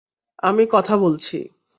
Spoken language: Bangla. আমি কথা বলছি।